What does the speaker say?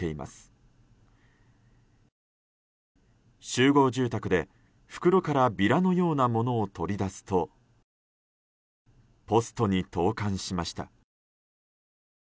集合住宅で、袋からビラのようなものを取り出すとポストに投函しました。